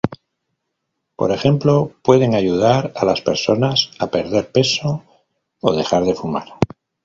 Por ejemplo, pueden ayudar a las personas a perder peso o dejar de fumar.